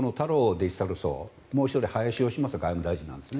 デジタル相もう１人林芳正外務大臣なんです。